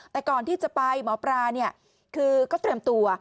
แต่ก่อนที่จะไปหมอปลาเนี่ยคือก็เตรียมตัว